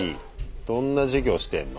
どんな授業してんの？